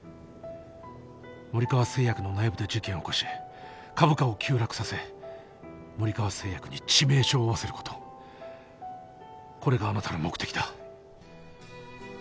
森川製薬の内部で事件を起こし株価を急落させ森川製薬に致命傷を負わせることこれがあなたの目的だ。